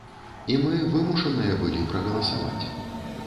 І мы вымушаныя былі прагаласаваць.